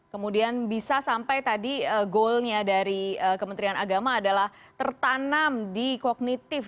kemudian bisa sampai tadi goalnya dari kementerian agama adalah tertanam di kognitif